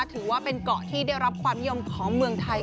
ถือว่าเป็นเกาะที่ได้รับความนิยมของเมืองไทย